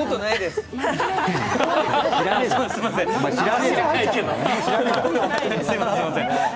すいません。